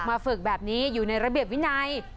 ฝึกแบบนี้อยู่ในระเบียบวินัย